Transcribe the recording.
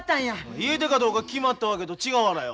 家出かどうか決まったわけと違うわらよ。